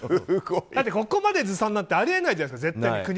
だってここまでずさんだってあり得ないじゃないですか。